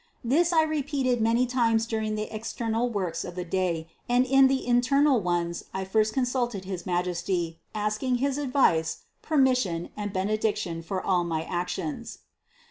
This I repeated many times during the external works of the day, and in the internal ones I first consulted his Majesty, asking his advice, permission and benediction for all my actions.